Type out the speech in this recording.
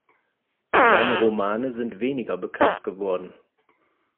Seine Romane sind weniger bekannt geworden.